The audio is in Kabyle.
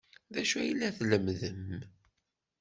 D acu ay la tlemmdem?